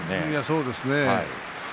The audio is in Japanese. そうですね。